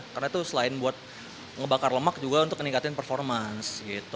karena itu selain buat ngebakar lemak juga untuk meningkatin performance